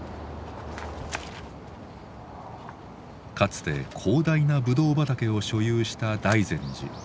かつて広大なぶどう畑を所有した大善寺。